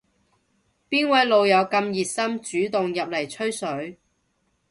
邊位老友咁熱心主動入嚟吹水